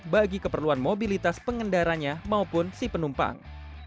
bagi keperluan mobilitas pengendaranya maupun si penumpang